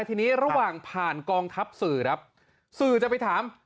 มีเงินยังเหลือไหมครับเชิดเดินเลยครับ